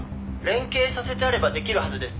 「連携させてあればできるはずです」